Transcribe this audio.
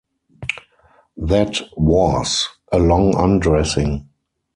That was "A Long Undressing".